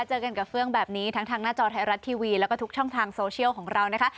เจอกันกับเฟื่องแบบนี้ทั้งทางหน้าจอไทยรัฐทีวีแล้วก็ทุกช่องทางโซเชียลของเรานะคะ